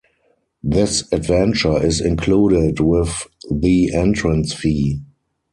This adventure is included with the entrance fee.